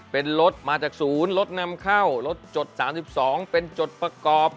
เป็นรถมาจากศูนย์รถนำเข้ารถจด๓๒เป็นจดประกอบ